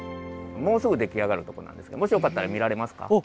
もうすぐ出来上がるとこなんですけどもしよかったら見られますか？